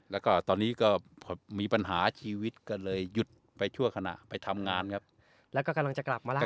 แล้วก็ตอนนี้ก็พอมีปัญหาชีวิตก็เลยหยุดไปชั่วขณะไปทำงานครับแล้วก็กำลังจะกลับมาแล้ว